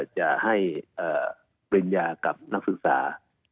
จะให้พลังยากับนักศึกษา